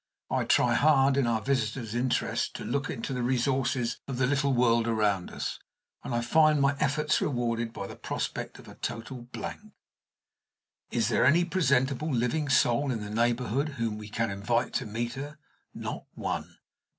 I try hard, in our visitor's interest, to look into the resources of the little world around us, and I find my efforts rewarded by the prospect of a total blank. Is there any presentable living soul in the neighborhood whom we can invite to meet her? Not one.